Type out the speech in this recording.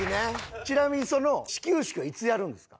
ちなみにその始球式はいつやるんですか？